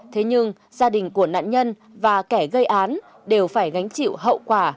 thế nhưng gia đình của nạn nhân và kẻ gây án đều phải gánh chịu hậu quả